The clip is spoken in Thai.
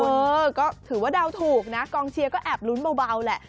เออก็ถือว่าเดาถูกนะกองเชียร์ก็แอบลุ้นเบาแหละ